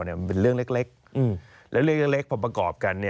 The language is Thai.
มันเป็นเรื่องเล็กแล้วเรื่องเล็กพอประกอบกัน